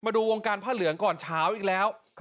ดูวงการผ้าเหลืองก่อนเช้าอีกแล้ว